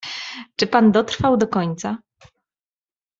"Czy pan dotrwał do końca?"